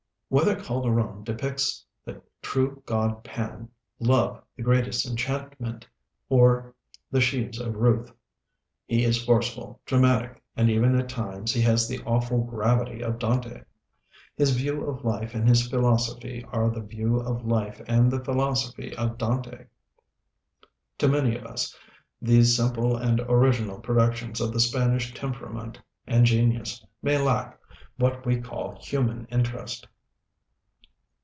Whether Calderon depicts 'The True God Pan,' 'Love the Greatest Enchantment,' or 'The Sheaves of Ruth,' he is forceful, dramatic, and even at times he has the awful gravity of Dante. His view of life and his philosophy are the view of life and the philosophy of Dante. To many of us, these simple and original productions of the Spanish temperament and genius may lack what we call "human interest."